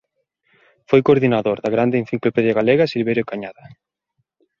Foi coordinador da Gran Enciclopedia Galega Silverio Cañada.